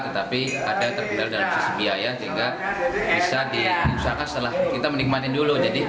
tetapi ada terkendali dalam sisi biaya sehingga bisa diusahakan setelah kita menikmatin dulu